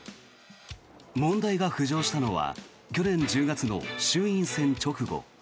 問題が浮上したのは去年１０月の衆院選直後。